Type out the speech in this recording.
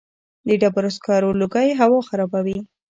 د ډبرو سکرو لوګی هوا خرابوي؟